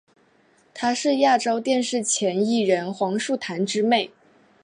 她是亚洲电视前艺人黄树棠之妹。